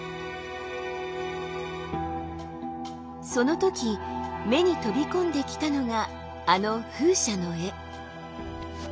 その時目に飛び込んできたのがあの風車の絵。